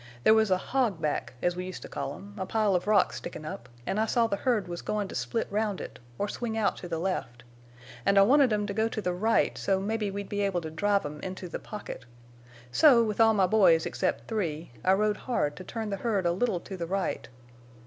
There was a hog back—as we used to call 'em—a pile of rocks stickin' up, and I saw the herd was goin' to split round it, or swing out to the left. An' I wanted 'em to go to the right so mebbe we'd be able to drive 'em into the pocket. So, with all my boys except three, I rode hard to turn the herd a little to the right.